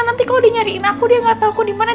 nanti kalau udah nyariin aku dia gak tau aku dimana